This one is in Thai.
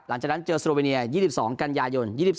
หลังจากนั้นเจอโซโลเวเนีย๒๒กันยายน๒๒